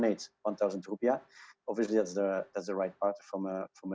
jadi untuk bisa mencapai para konsumen dan membuat pergerakan yang benar